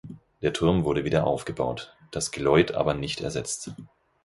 Der Turm wurde wieder aufgebaut, das Geläut aber nicht ersetzt.